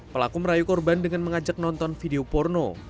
pelaku merayu korban dengan mengajak nonton video porno